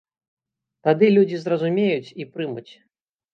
Тады людзі зразумеюць і прымуць.